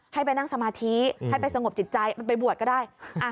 ให้ไปนั่งสมาธิให้ไปสงบจิตใจมันไปบวชก็ได้